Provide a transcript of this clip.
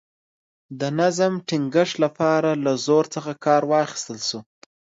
د نظم ټینګښت لپاره له زور څخه کار واخیستل شو.